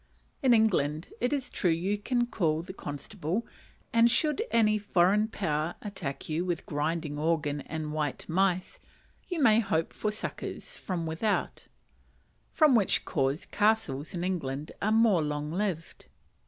In England it is true you can call the constable, and should any foreign power attack you with grinding organ and white mice, you may hope for succours from without; from which cause "castles" in England are more long lived.